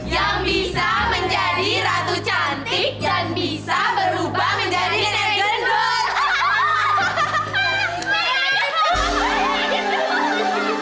yang bisa menjadi ratu cantik dan bisa berubah menjadi gendong